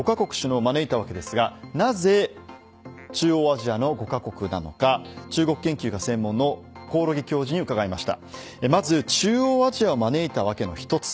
今回、中国側は５カ国の首脳を招いたわけですがなぜ中央アジアの５カ国なのか中国研究がご専門の興梠教授に伺いました。